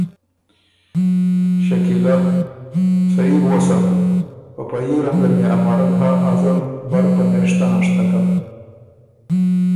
شکیلۀ ـــ صحیح بو غؤسم۔ په په يي رنګم يې امرک هۀ ازل بر پنېشته هںشتکم